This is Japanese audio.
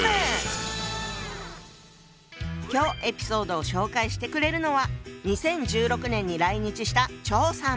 今日エピソードを紹介してくれるのは２０１６年に来日した張さん。